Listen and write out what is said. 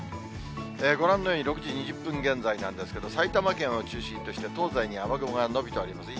ご覧のように、６時２０分現在なんですけど、埼玉県を中心として、東西に雨雲が延びております。